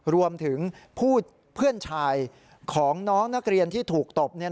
รวมถึงเพื่อนชายของน้องนักเรียนที่ถูกตบ